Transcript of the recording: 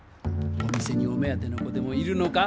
お店にお目当ての子でもいるのか？